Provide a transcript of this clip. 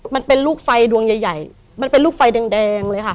มันเป็นลูกไฟดวงใหญ่มันเป็นลูกไฟแดงเลยค่ะ